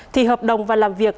thì hợp đồng và làm việc